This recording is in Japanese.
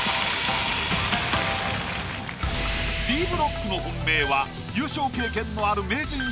Ｄブロックの本命は優勝経験のある名人